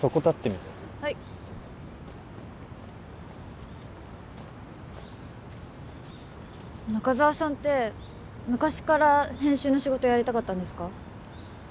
立ってみてはい中沢さんって昔から編集の仕事やりたかったんですか？